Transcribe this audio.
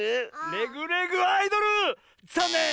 「レグ・レグ・アイドル」ざんねん！